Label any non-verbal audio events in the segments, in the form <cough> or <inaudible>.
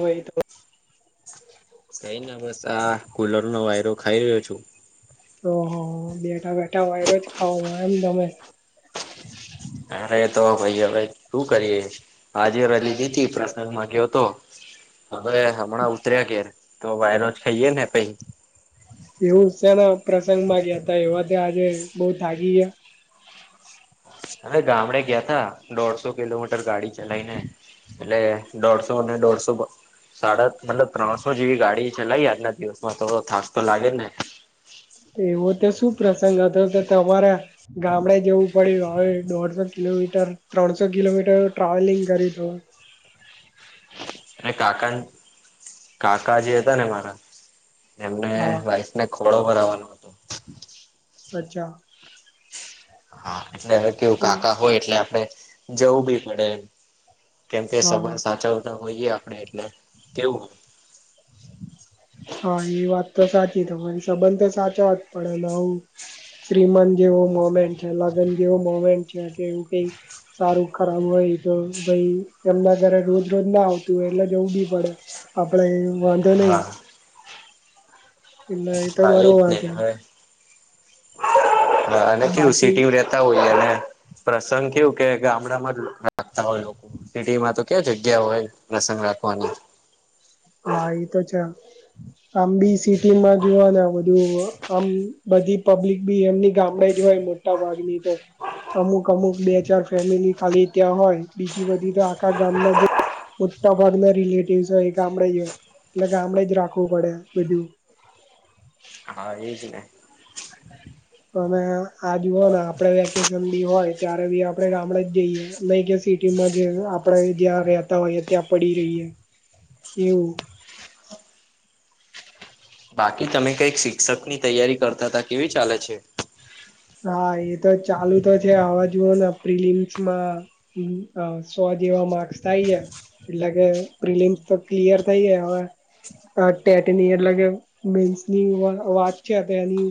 વાહિટ બ કઈને બસ આ કુલર નો વાયરો ખાઈ રહ્યો છું. ઓહ બેઠા-બેઠા વાઈરોજ ખાવ હો એમ તમે. ના ખાયે તો તો ભઈ હવે શું કરીએ. આજે રજા લીધી હતી પ્રશંગમાં ગ્યો તો. હવે હમણા ઉતર્યા ઘેર તો વાયરો જ ખઈએે ને ભઈ. એવું શેના પ્રસંગ માં ગયા તા એવા તે આજે બહુ થાકી ગયા? અને ગામડે ગયા તા, દોઢસો કિલોમીટર ગાડી ચલાઈ ને. એલે દોઢસો-દોઢસોને સાડા મતલબ ત્રણસો જેવી ગાડી ચલાવી આજના દિવસમાં થોડો થાક તો લાગે ને. એવો તે શું પ્રસંગ હતો તો તમારા ગામડે જવું પડ્યું હવે દોઢસો કિલોમીટર ત્રણસો કિલોમીટર ટ્રાવેલિંગ કર્યું તુ. અને કાકાન કાકા જે હતા ને મારા એમને હા વાઈફ ને ખોળો ભરાવાનો હતો અચ્છા. હા, એટલે હવે કેવું હમ, કાકા હોય એટલે આપણે જવું બી પડે. કેમ કે હા હા સબંધ સાચવતા હોઈએ આપડે એટલે કેવું હા ઈ વાત તો સાચી તમારી, સંબંધ તો સાચવવા જ પડે લઉં. શ્રીમંત જેવો મોમેન્ટ છે, લગન જેવો મોમેન્ટ છે, કે એવું કંઈ સારું, ખરાબ હોય તો ભઈ એમના ઘરે રોજ-રોજ ના આવતું હોય એટલે જવું બી પડે. આપણે એ વાંધો નહી હા એટલે એ તો હા એજ બરોબર ને છે હવે, હા અને કેવું બાકી સીટી માં રહેત તા હોય અને પ્રસંગ કેવું કે ગામડામાં જ રાખતા હોય લોકો. સિટી માં તો ક્યાં જગ્યા હોય પ્રસંગ રાખવાની. હા ઈ તો છે. આમ બી સિટી માં જોવાના બધું આમ બધી પબ્લિક બી એમની ગામડે જોવાય મ મોટા ભાગ ની તો અમુક-અમુક બે ચાર ફેમિલી ખાલી ત્યાં હોય, બીજી બધી તો આખા ગામમાં જે મોટા ભાગના રિલેટિવસ હોય ગામડે જ હોય, એટલે ગામડે જ રાખવું પડે બધું. હા એજને. તમે આ જુઓ ના આપડે વેકેશન બી હોય ત્યારે બી આપણે ગામડે જ જઈએ. નહીં કે સિટીમાં જે આપણેે જ્યાં રહેતા હોઈએ ત્યાં પડી રહીએ, એવું. બાકી તમે કંઈક શિક્ષક ની તૈયારી કરતા તા, કેવી ચાલે છે? હા એ તો ચાલુ તો છે, આવા જુઓ ને પ્રિલિમ્સમાં અમ્મ અહ સૌ જેવા માર્ક્સ થાઈએ એટલે કે પ્રિલમ્સ તો ક્લિયર થઈ હવે આ ટેટની એટલે મેન્સની વ વાત છે તો એની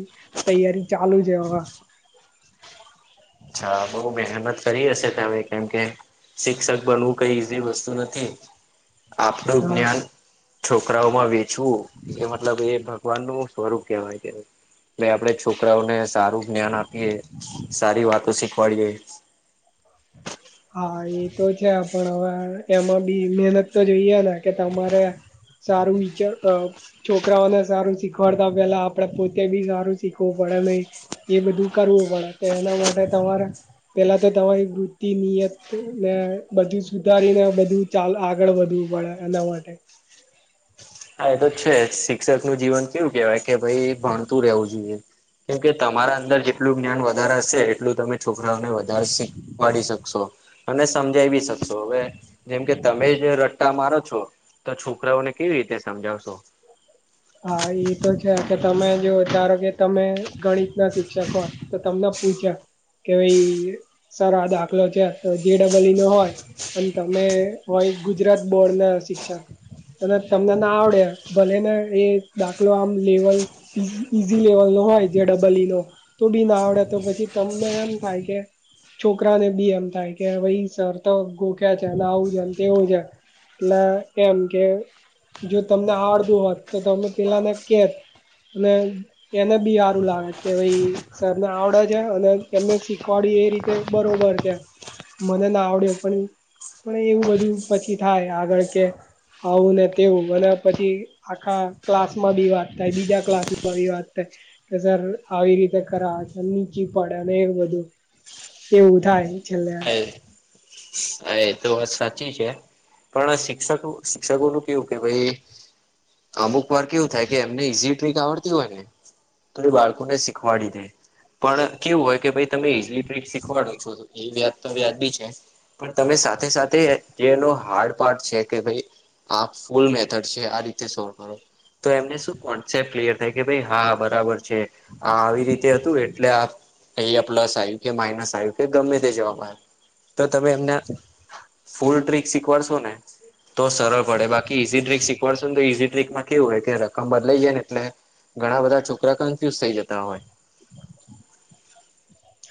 તૈયારી ચાલુ છે હવા. અચ્છા બહુ મહેનત કરી હશે, તમે કેમ કે શિક્ષક બનવું કંઈ ઈઝી વસ્તુ નથી, આપડું હા જ્ઞાન છોકરાઓમાં વેચવું એ મતલબ એ ભગવાન નું સ્વરૂપ કહેવાય છે. ને આપડે છોકરાઓને સારું જ્ઞાન આપીએ, સારી વાતો શીખવાડીએ. હા, એ તો છે, પણ હવે એમાં બી મહેનત તો જોઈએ ને, કે તમારે સારું વિચાર અહ છોકરાઓને સારું શીખવાડતા પહેલા આપડે પોતે બી સારું શીખવું પડે નહિં. એ બધું કરવું પડે. તો એના માટે તમારે પેલા તો તમારી વૃત તી, નિયત ને બધું સુધારીને બધું ચાલ આગળ વધવું પડે એના માટે. હા, એ તો છે જ, શિક્ષક નું જીવન કેવું કેવાય કે, ભઈ ભણતું રહેવું જોઈએ. કેમ કે તમારા અંદર જેટલું જ્ઞાન વધારાશે, એટલું તમે છોકરાઓને વધારે શી વાડીશકશો, અને સમજાઇ બી શકશો. હવે જેમ કે તમે જે રટ્ટા મારો છો, તો છોકરાઓને કેવી રીતે સમજાવશો? હા ઈ તો છે, કે તમે જેવો ધારો કે તમે ગણિત ના શિક્ષક હોય તો તમને પૂછે કે હવે ઈ સર આ દાખલો છે, તો જી ડબલ્યું નો હોય અન તમે હોય ગુજરાત બોર્ડ ના શિક્ષક અને તમને ના આવડે, ભલે ને એ દાખલો આમ લેવલ ઈઝી-ઈઝી લેવલ નો હોય જે ડબલ ઈ નો તો બી ના આવડે તો પછી તમને એમ થાય કે છોકરા ને બી એમ થાય કે ભઈ સર તો ગોખ્યા છે ને આવું છે ને તેવું છે. એટલે એમ કે જો તમને આવડતું હોત તો તમે પેલાને કેત ને, એને બી હારું લાગત કે ભઈ સર ને આવડે છે, અને એમને શીખવાડી એ રીતે બરોબર કે મને ના આવડ્યો પણ પણ એવું બધું પછી થાય આગળ કે આવું ને તેવું અને પછી <unintelligible> ક્લાસ માં બી વાત થાય બીજા ક્લાસ માં બી વાત થાય. કે સર આવી રીતે કરાવ છે નીચી પડે અને એ બધું એવું થાય છેલ્લે હા, એ તો વાત સાચી છે પણ શિક્ષકો- શિક્ષકો નું કેવું કે ભઈ અમુક વાર કેવું થાય કે એમને ઈઝી ટ્રીક આવડતી હોય ને તો એ બાળકો ને શીખવાડી દે. પણ કેવું હોય કે ભાઈ તમે ઈઝલી ટ્રીક શીખવાડો છો એ વ્યાજ તો વ્યાજ બી છે. પણ તમે સાથે-સાથે જેનો હાર્ડ પાર્ટ છે કે ભઈ આ ફૂલ મેથડ છે, આ રીતે સોલ્વ કરો. તો એમને શું કોન્સેપ્ટ ક્લિયર થાય કે ભઈ હા બરાબર છે. આ આવી રીતે હતું એટલે આ એ પ્લસ આવ્યું કે માઇનસ આવ્યું કે ગમે તે જવાબ આયો તમે એમને ફૂલ ટ્રીક શીખવાડશો ને તો સરળ પડે બાકી ઈઝી ટ્રીક શીખવાડશું ન તો ઈઝી ટ્રીકમાં કેવું હોય કે રકમ બદલાઈ જાય ને એટલે ઘણા બધા છોકરા કન્ફ્યુઝ થઈ જતા હોય.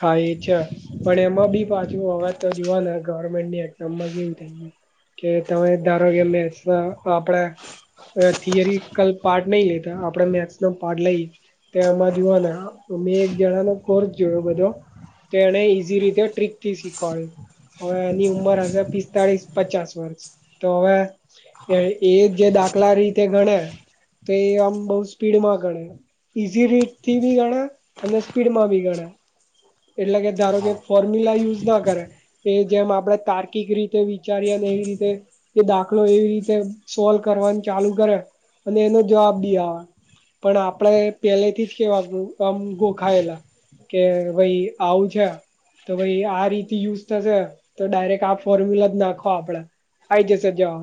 હા એ છે પણ એમાં બી પાછું હવાત તો જુવાના ગવર્મેન્ટની એક્ઝામ માં કેવું થઈ ગ્યું. કે તમે ધારો કે મેચ ના આપડા વે થિયરી કલ પાર્ટ નહી લેતા આપડે મેથ્સ નો પાર્ટ લઈએ. ત્યાંમાં જોવાના તો મેં એક જણા નો કોર્ચ જોયો. <unintelligible> તેણે ઈઝી રીતે ટ્રીકથી શીખવાડયુ. હવે એની ઉંમર હશે પિસ્તાળીસ પચાસ વર્ષ તો હવે. એ એ જે દાખલા રીતે ગણે તો એ આમ બઉ સ્પીડમાં ગણે. ઈઝી રીત થી બી ગણે અને સ્પીડ માં બી ગણે એટલે કે ધારો કે હા. ફોર્મ્યુલા યુઝ ના કરે કે જેમ આપણેે કાર્કિક રીતે વિચારીએ અને એવી રીતે એ દાખલો એવી રીતે સોલ્વ કરવાનું ચાલુ કરે અને એનો જવાબ બી આવે પણ આપડે પેલે થી જ કેવા આમ ગોખાયેલા કે ભાઈ આવું છે તો ભાઈ આ રીતે યુઝ થશે તો ડાયરેક્ટ આ ફોર્મ્યુલા જ નાખો આપડે આવી જશે જવા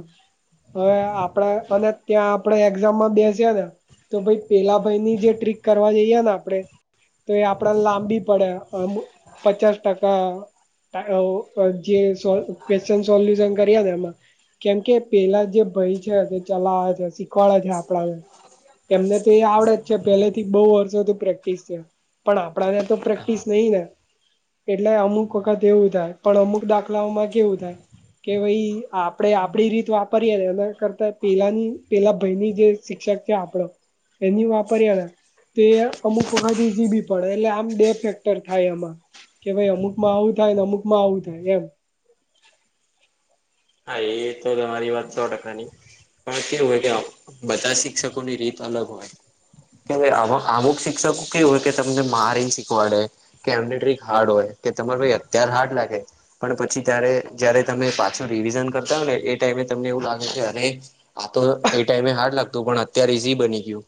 હવે આપડા અને ત્યાં આપણે એક્ઝામમાં બેસીયે ને તો ભાઈ પેલા ભાઈ ની જે ટ્રીક કરવા જઈએ ને આપડે તો એ આપડે લાંબી પડે અમુ પચાસ ટકા <unintelligible> ક્વેશ્ચન સોલ્યુશન કર્યા ને એમાં કેમ કે પેલા જે ભય છે તે ચલાવે છે શીખવાડે છે આપણા ને એમને તો એ આવડે જ છે પહેલે થી બહુ વર્ષો થી પ્રેક્ટિસ છેં પણ આપણાને તો પ્રેક હા નહી ને એટલે અમુક વખત એવું થાય પણ અમુક દાખલાઓમાં કેવું થાય કે ભાઈ આપડે આપડી રીત વાપરીએે એના કરતા પેલાની પેલા ભાઈની જે શિક્ષક છે આપડો એની વાપર્યા ને તે અમુક વખત ઈઝી બી પડે એટલે આમ બે ફેક્ટ થાય એમાં કે ભાઈ અમુકમાં આવું થાય ને અમુક માં આવું થાય એમ હા એ તો તમારી વાત સો ટકાની પણ કે હોય કે બધા શિક્ષકોની રીત અલગ હોય કે અમુક શિક્ષકો કેવું હોય કે તમને મારીને શીખવાડે કેમનેટ્રી હાર્ડ હોય. કે તમાર ભાઈ અત્યાર હાર્ડ લાગે પણ પછી ત્યારે જયારે તમે પાછું રિવિઝન કરતા હો ને એ ટાઈમે તમને એવું લાગે કે અરે આ તો એ ટાઈમે હાર્ડ લાગતું પણ અત અત્યારે ઝી બની ગયું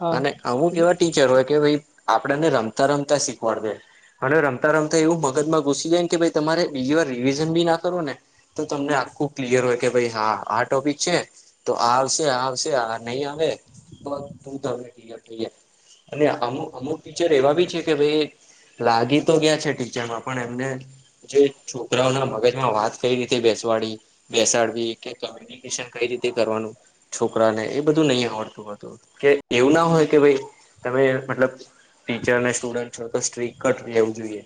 હા અને આવું એટલે કેવા ટી કે ભાઈ આપડને રમતા રમતા શીખવાડ દે અને રમતા રમતા એવું મગજમાં ઘુસી જાય ને કે ભાઈ તમારે બીજી વાર રિવિઝન બી ના કરો ને તો તમને આખું ક્લિયર હોય કે ભાઈ હા આ ટોપિક છે તો આવશે આવશે નહી આવે આવે તો <unintelligible> થઈ અને આમુ અમુક ટીચર એવા બી છે કે ભાઈ એ લાગી તો ગયા છે ટીચરમાં પણ એમને જે છોકરાઓ નો વાત કઈ રીતે બેસવાડી બેસાડવી કે કોમ્યુનિકેશન કઈ રીતે કરવાનું. છોકરાને એ બધું નહી આવડતું હતું કે એવું ના હોય કે ભાઈ તમે મતલબ ટીચર ને સ્ટુડન્ટ છો તો સ્ટ્રીક જ રહેવું જોઈએ.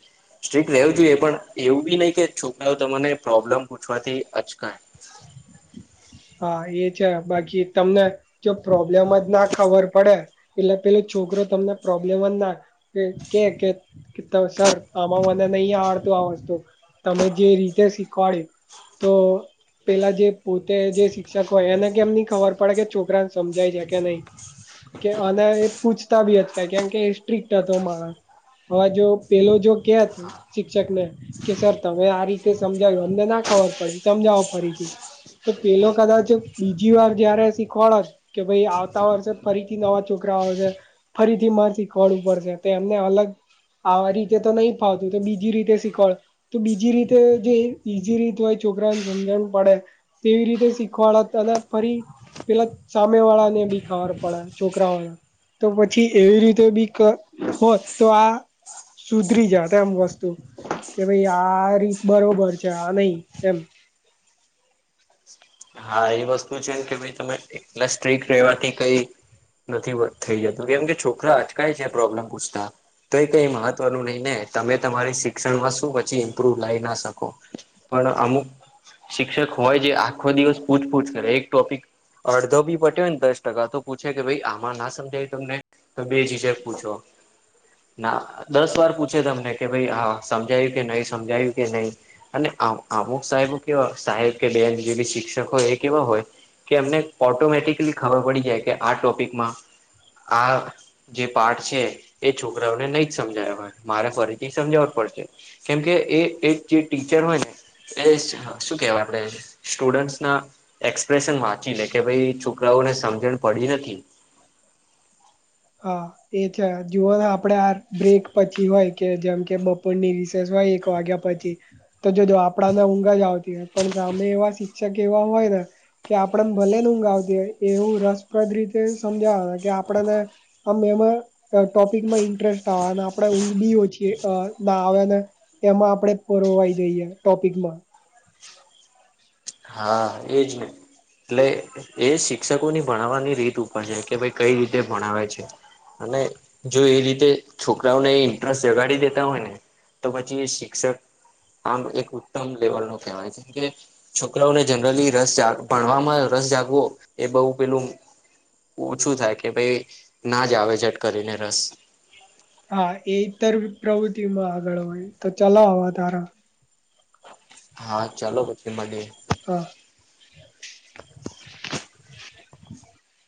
સ્ટ્રીક રહેેવું જોઈએ પણ એવું બી નય કે છોકરાઓ તમને પ્રોબ્લમ પૂછવાથી અચકાય. <inaudible> હા એ છે બાકી તમને જો પ્રોબ્લેમ જ ના ખબર પડે એટલે પેલો છોકરો તમને પ્રોબ્લેમ જ ના કે કે કે સર આમાં મને નય આવડતું આ વસ્તુ તમે જે રીતે શીખવાડ્યું તો પેલા જે પોતે જે શિક્ષક હોય એને કેમ ની ખબર પડે કે છોકરાને સમજાય છે કે નય. કે અને એ પૂછતા બી અચકાય કેમ કે એ સ્ટ્રીક્ટ હતો માણસ. હવે જો પેલો જો ક્યાથી શિક્ષકને કે સર તમે આ રીતે સમજાવ્યું અમને ના ખબર પડે સમજાવો ફરીથી. તો પેલો કદાચ બીજી વાર જયારે શીખવાડત કે ભાઈ આવતા વર્ષે ફરીથી નવા છોકરાઓ આવે છે. ફરીથી મા શીખવાડવુ પડશે તો એમને અલગ આ રીતે તો નય ફાવતું તો બીજી રીતે શીખવાડ તો બીજી રીતે જે બીજી રીત હોય છોકરાને સમજણું પડે તેવી રીતે શીખવાડ તમે ફરી પેલા સામે વાળા ને બી ખબર પડે છોકરાઓ ને તો પછી એવી રીતે બી કય હોત તો આ સુધરી જાત એમ વસ્તુ કે ભાઈ આ રીત બરોબર છે આ નય એમ હા એ વસ્તુ છે કે ભાઈ તમે એટલા સ્ટ્રીક રેવાથી કઈ નથી વધ થઈ જતો કેમ કે છોકરા અચકાય છે પ્રોબ્લેમ પૂછતા. તો એ કઈ મહત્વનું નય ને તમે તમારી શિક્ષણમાં શું પછી ઇમ્પ્રુવ લાય ના શકો. પણ અમુક શિક્ષક હોય જે આખો દિવસ પૂછપૂછ કરે એક ટોપિક અડધો બી પતે ને દસ ટકા તો પૂછે કે ભાઈ આમાં ના સમજાયુ તમને. તો બે જીજક પૂછો. ના દસ વાર પૂછે તમને કે ભાઈ હા સમજાયું કે નય સમજાયું કે નય. અને અમુ અમુક સાહેબો કેવા સાહેબ કે બેન જે બી શિક્ષક હોય એ કેવા હોય. કે એમને ઓટોમેટિકલી ખબર પડી જાય કે આ ટોપિકમાં આ જે પાઠ છે એ છોકરાઓને નય જ સમજાય હોય મારે ફરીથી સમજાવ જ પડશે. કેમકે એ એક જે ટીચર હોય ને એ હ શું કેવાય આપડે સ્ટુડન્ટસ ના એક્સપ્રેશન વાંચી લે કે ભઈ છોકરાઓને સમજણ પડી નથી. <inaudible> હા. એ છે જુઓ ને આપડે આ બ્રેક પછી હોય કે જેમ કે બપોરની રિસેસ હોય એક વાગ્યા પછી તો જો જો આપડાને ઊંઘ જ આવતી હોય પણ સામે એવા શિક્ષક એવા હોય ને કે આપણે ને ભલે ઊંઘ આવતી હોય એવું રસપ્રદ રીતે સમજાવે કે આપણેને આમ એમાં ટોપિકમાં ઇન્ટરેસ્ટ આવે અને આપણે ઊંઘ બી ઓછી અ ના આવે ને. એમાં આપડે પરવાય જઈએ ટોપિકમાં હા એજ ને. એટલે એ શિક્ષકોની ભણાવવાની રીત ઉપર છે કે ભાઈ કઈ રીતે ભણાવે છે. અને જો એ રીતે છોકરાઓને ઇન્ટરેસ્ટ જગાડી દેતા હોય ને તો પછી એ શિક્ષક આમ એક ઉત્તમ લેવલ નો કહેવાય છે કે છોકરાઓને જનરલી રસ જાગ ભણવામાં રસ જાગવો એ બોવ પેલું ઓછું થાય કે ભાઈ ના જ આવે ઝટ કરીને રસ હા એ ઈતર પ્રવૃત્તિમાં આગળ હોય તો ચલો હવા તારા હા ચાલો પછી મળીએ. હા.